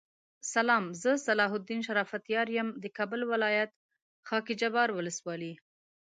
سلام زه صلاح الدین شرافت یار یم دکابل ولایت خاکحبار ولسوالی